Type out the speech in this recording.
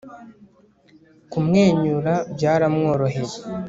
kumwenyura byaramworoheye